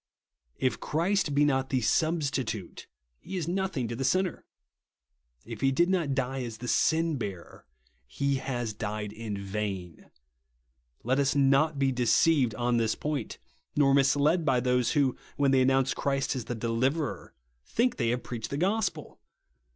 If Christ be not the Substitute, he is nothing to the sinner. If he did not die as the Sinheaver, he has died in vain. Let us not be deceived on this point, nor mis led by those who, when they announce Christ as the Deliverer, think they have preached the gospel.